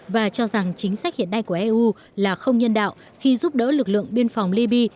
và cho rằng chính sách hiện nay của eu là không nhân đạo khi giúp đỡ lực lượng biên phòng libya